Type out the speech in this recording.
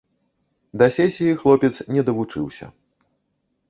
Да сесіі хлопец не давучыўся.